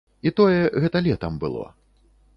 І тое, гэта летам было.